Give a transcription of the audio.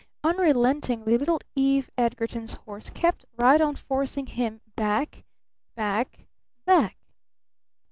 Unrelentingly little Eve Edgarton's horse kept right on forcing him back back back.